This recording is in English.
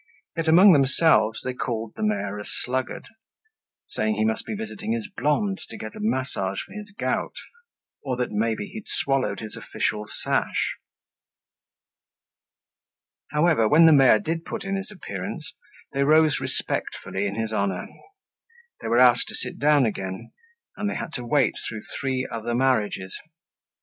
Yet among themselves they called the mayor a sluggard, saying he must be visiting his blonde to get a massage for his gout, or that maybe he'd swallowed his official sash. However, when the mayor did put in his appearance, they rose respectfully in his honor. They were asked to sit down again and they had to wait through three other marriages.